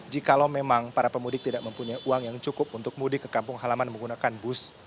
jika memang para pemudik tidak mempunyai uang yang cukup untuk mudik ke kampung halaman menggunakan bus